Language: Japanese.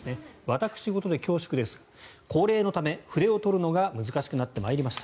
私事で恐縮ですが高齢のため、筆を執るのが難しくなってまいりました